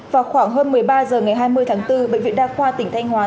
vào khoảng hơn một mươi ba h ngày hai mươi tháng bốn bệnh viện đa khoa tỉnh thanh hóa